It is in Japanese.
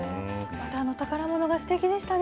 また宝ものがすてきでしたね。